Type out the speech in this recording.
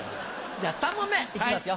じゃあ３問目行きますよ。